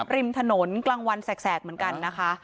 ริมถนนกลางวันแสกเหมือนกันนะคะ